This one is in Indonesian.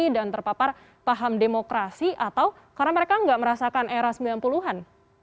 dan terpapar paham demokrasi atau karena mereka nggak merasakan era sembilan puluh an